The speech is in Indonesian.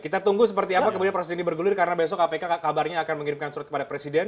kita tunggu seperti apa kemudian proses ini bergulir karena besok kpk kabarnya akan mengirimkan surat kepada presiden